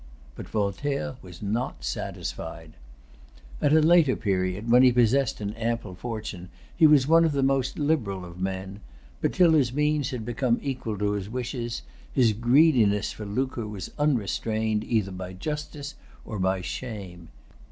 But Voltaire was not satisfied. At a[Pg 286] later period, when he possessed an ample fortune, he was one of the most liberal of men; but till his means had become equal to his wishes, his greediness for lucre was unrestrained either by justice or by shame.